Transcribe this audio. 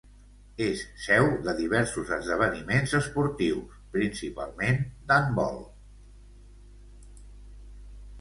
És seu de diversos esdeveniments esportius, principalment d'handbol.